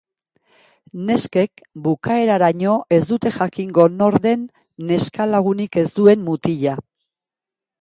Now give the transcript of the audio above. Neskek bukaeraraino ez dute jakingo nor den neskalagunik ez duen mutila.